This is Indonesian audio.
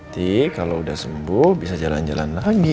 nanti kalau udah sembuh bisa jalan jalan lagi